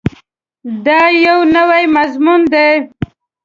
دا یو نوی مضمون دی.